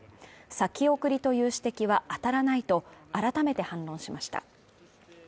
先送りという指摘は当たらないと改めて反論しました。